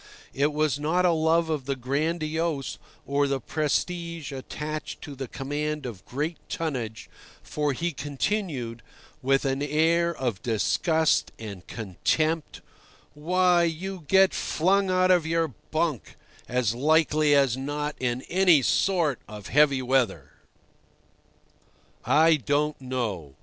It was not a love of the grandiose or the prestige attached to the command of great tonnage, for he continued, with an air of disgust and contempt, "Why, you get flung out of your bunk as likely as not in any sort of heavy weather." I don't know.